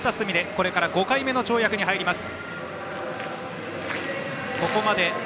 これから５回目の跳躍に入ります。